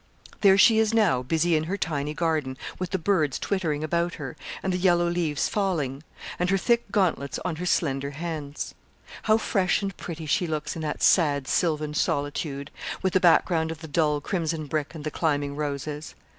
There she is now, busy in her tiny garden, with the birds twittering about her, and the yellow leaves falling; and her thick gauntlets on her slender hands. How fresh and pretty she looks in that sad, sylvan solitude, with the background of the dull crimson brick and the climbing roses.